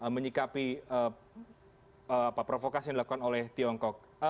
menyikapi provokasi yang dilakukan oleh tiongkok